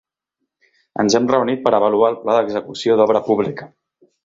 Ens hem reunit per avaluar el Pla d'Execució d'Obra Pública.